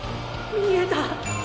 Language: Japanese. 見えた。